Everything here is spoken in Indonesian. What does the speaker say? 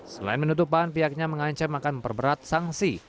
selain penutupan pihaknya mengancam akan memperberat sanksi